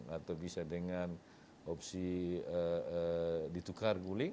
atau bisa dengan opsi ditukar guling